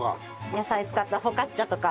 野菜使ったフォカッチャとか。